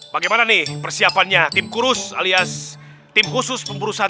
bagaimana nih persiapannya tim kurus alias tim khusus pemburusan